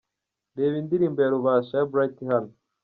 Reba indirimbo Rubasha ya Bright hano :.